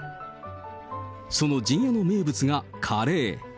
その陣屋の名物が、カレー。